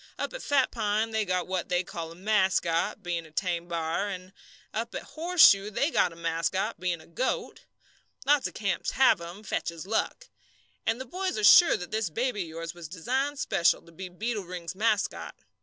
"Up at Fat Pine they got what they call a mascot, bein' a tame b'ar; an' up at Horseshoe they got a mascot, bein' a goat. Lots of camps have 'em fetches luck. And the boys are sure that this baby of yours was designed special to be Beetle Ring's mascot.